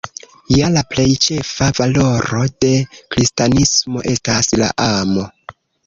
Ja la plej ĉefa valoro de kristanismo estas la amo.